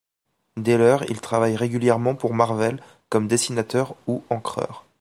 Dès lors il travaille régulièrement pour Marvel comme dessianteur ou encreur.